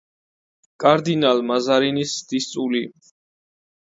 კარდინალ მაზარინის დისწული.